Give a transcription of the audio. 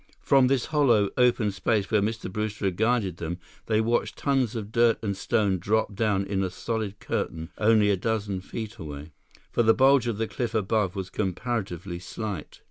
From this hollow, open space where Mr. Brewster had guided them, they watched tons of dirt and stone drop down in a solid curtain, only a dozen feet away, for the bulge of the cliff above was comparatively slight.